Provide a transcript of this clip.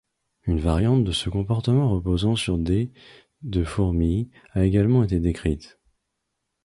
Une variante de ce comportement reposant sur des de fourmis a également été décrite.